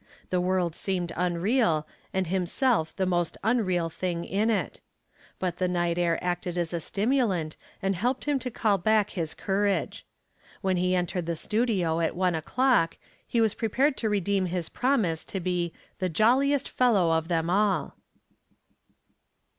The world seemed unreal and himself the most unreal thing in it. But the night air acted as a stimulant and helped him to call back his courage. When he entered the studio at one o'clock, he was prepared to redeem his promise to be "the jolliest fellow of them all."